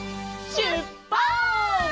しゅっぱつ！